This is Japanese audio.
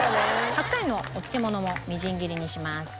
白菜のお漬物もみじん切りにします。